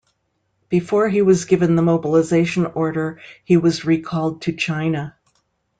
Before he was given the mobilization order, he was recalled to China.